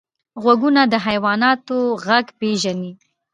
غوږونه د حیواناتو غږ پېژني